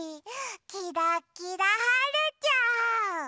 キラキラはるちゃん！